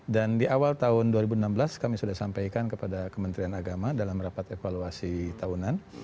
dan di awal tahun dua ribu enam belas kami sudah sampaikan kepada kementerian agama dalam rapat evaluasi tahunan